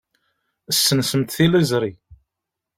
Ssensemt tiliẓri.